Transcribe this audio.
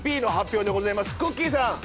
くっきーさん。